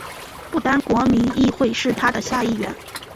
不丹国民议会是它的下议院。